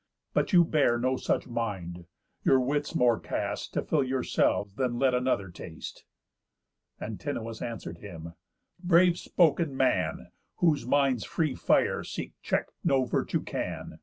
But you bear no such mind, your wits more cast To fill yourself than let another taste." Antinous answer'd him: "Brave spoken man! Whose mind's free fire see check'd no virtue can.